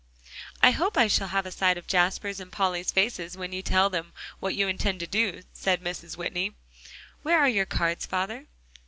"I hope I shall have a sight of Jasper's and Polly's faces when you tell them what you intend to do," said Mrs. Whitney; "where are your cards, father?"